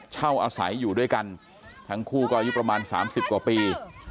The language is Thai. เช่าอาศัยอยู่ด้วยกันทั้งคู่ก็อายุประมาณ๓๐กว่าปี